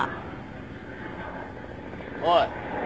おい。